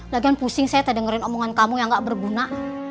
lagian pusing saya tak dengerin omongan kamu yang gak berguna